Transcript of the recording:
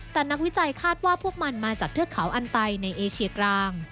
แต่นักวิจัยคาดว่าพวกมันมาจากเทือกเขาอันไตในเอเชียกลาง